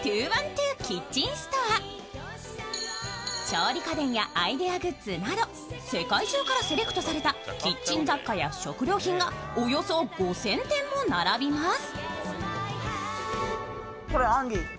調理家電やアイデアグッズなど世界中からセレクトされたキッチン雑貨や食料品がおよそ５０００点並びます。